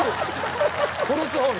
殺す方ね。